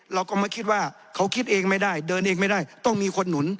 เราก็ไม่คิดว่าเขาคิดเองไม่ได้เดินเองไม่ได้ต้องมีคนหนุน